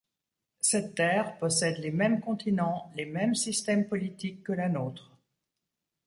Cette Terre possède les mêmes continents, les mêmes systèmes politiques que la nôtre.